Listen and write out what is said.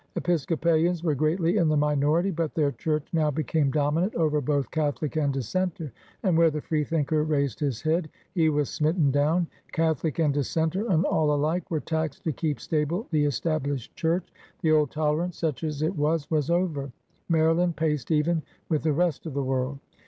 Episco palians were greatly in the minority, but their Church now became dominant over both Catholic and Dissenter, and where the freethinker raised his head he was smitten down. Catholic and Dis senter and all alike were taxed to keep stable the Established Church. The old tolerance, such as it was, was over. Maryland paced even with the rest of the world.